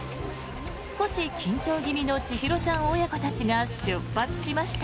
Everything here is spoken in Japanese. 少し緊張気味の千尋ちゃん親子たちが出発しました。